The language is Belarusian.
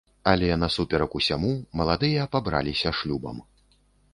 Але насуперак усяму маладыя пабраліся шлюбам.